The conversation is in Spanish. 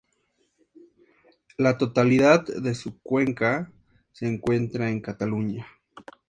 La totalidad de su cuenca se encuentra en Cataluña.